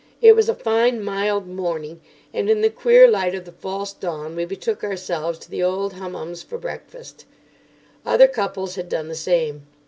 It was a fine, mild morning, and in the queer light of the false dawn we betook ourselves to the Old Hummums for breakfast. Other couples had done the same.